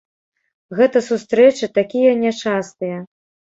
Гэта сустрэчы такія нячастыя.